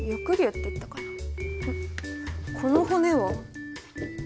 この骨は。